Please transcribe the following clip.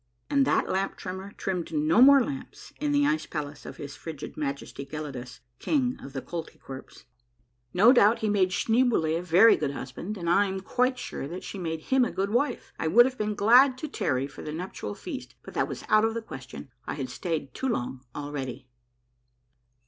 And that lamp trimmer trimmed no more lamps in the ice palace of his frigid Majesty Gelidus, King of the Koltykwerps. No doubt he made Schneeboule a very good husband, and I'm quite sure that she made him a good wife. I would have been glad to tarry for the nuptial feast, but that was out of the question. I had stayed too long already.